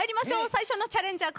最初のチャレンジャー